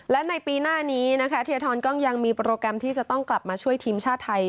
และในปีหน้านี้นะคะเทียทรก็ยังมีโปรแกรมที่จะต้องกลับมาช่วยทีมชาติไทย